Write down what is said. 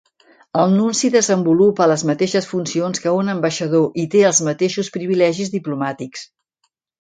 El nunci desenvolupa les mateixes funcions que un ambaixador i té els mateixos privilegis diplomàtics.